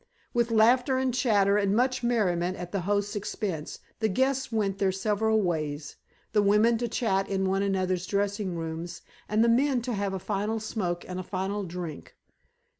With laughter and chatter and much merriment at the host's expense, the guests went their several ways, the women to chat in one another's dressing rooms and the men to have a final smoke and a final drink.